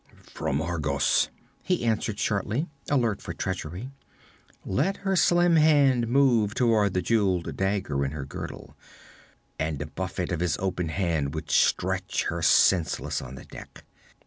'From Argos,' he answered shortly, alert for treachery. Let her slim hand move toward the jeweled dagger in her girdle, and a buffet of his open hand would stretch her senseless on the deck.